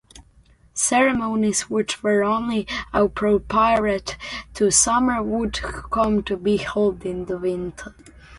Ceremonies which were only appropriate to summer would come to be held in winter.